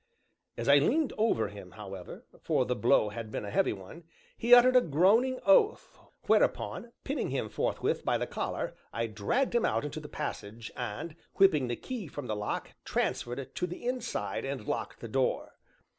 As I leaned above him, however (for the blow had been a heavy one), he uttered a groaning oath, whereupon, pinning him forthwith by the collar, I dragged him out into the passage, and, whipping the key from the lock, transferred it to the inside and locked the door.